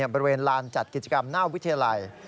บริเวณลานจัดกิจกรรมหน้าวิทยาลัย